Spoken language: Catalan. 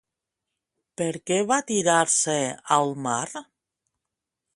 Per què va tirar-se al mar?